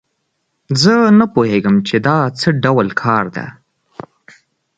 زه نه پوهیږم چې دا څه ډول کار ده